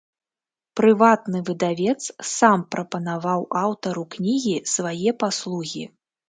Прыватны выдавец сам прапанаваў аўтару кнігі свае паслугі.